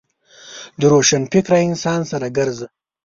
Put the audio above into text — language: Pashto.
د روشنفکره انسانانو سره ګرځه .